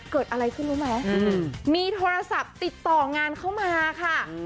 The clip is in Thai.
เกิดอะไรขึ้นรู้ไหมมีโทรศัพท์ติดต่องานเข้ามาค่ะ